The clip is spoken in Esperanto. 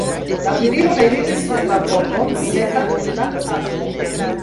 La virino eliris sur la bordon seka el la akvo.